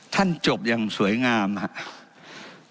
ท่านจบอย่างสวยงามครับ